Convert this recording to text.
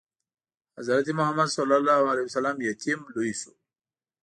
حضرت محمد ﷺ یتیم لوی شو.